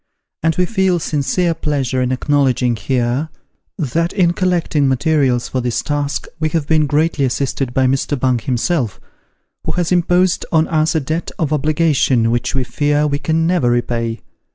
And we feel sincere pleasure in acknowledging here, that in collecting materials for this task we have been greatly assisted by Mr. Bung Mr. Bung. 19 himself, who has imposed on us a debt of obligation which we fear wo can never repay.